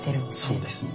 そうですね。